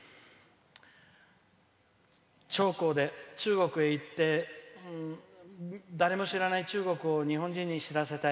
「長江」で中国へ行って誰も知らない中国を日本人に知らせたい。